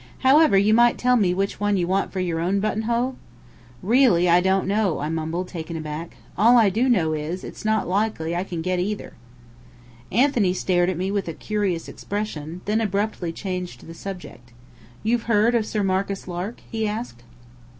However, you might tell me which one you want for your own buttonhole?" "Really, I don't know," I mumbled, taken aback. "All I do know is, it's not likely I can get either." Anthony stared at me with a curious expression, then abruptly changed the subject. "You've heard of Sir Marcus Lark?" he asked.